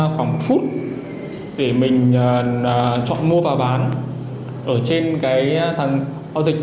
khoảng phút để mình chọn mua và bán ở trên cái sàn giao dịch